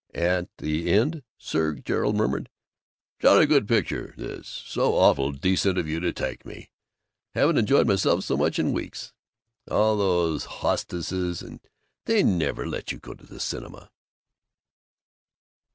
At the end Sir Gerald murmured, "Jolly good picture, this. So awfully decent of you to take me. Haven't enjoyed myself so much for weeks. All these Hostesses they never let you go to the cinema!"